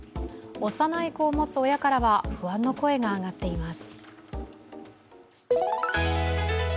幼い子を持つ親からは不安の声が上がっています。